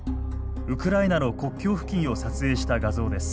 ウクライナの国境付近を撮影した画像です。